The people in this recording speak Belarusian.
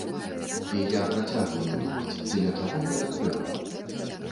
І я працягваю думаць, дзеля чаго гэта трэба.